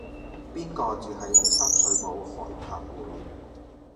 邊個住喺深水埗海柏匯